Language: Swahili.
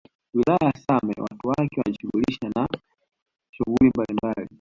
Wilaya ya Same watu wake hujishuhulisha na shughuli mbalimbali